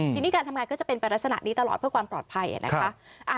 ทีนี้การทำงานก็จะเป็นไปลักษณะนี้ตลอดเพื่อความปลอดภัยนะคะ